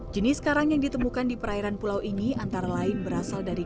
jenis karang yang ditemukan di perairan pulau ini antara lain berasal dari